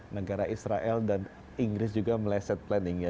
negara israel dan inggris juga meleset planningnya